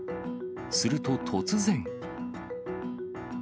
すると突然。